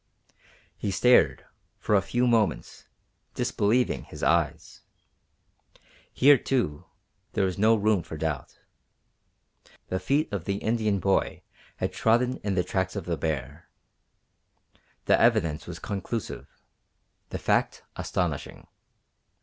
_ He stared, for a few moments disbelieving his eyes. Here, too, there was no room for doubt. The feet of the Indian boy had trodden in the tracks of the bear. The evidence was conclusive; the fact astonishing.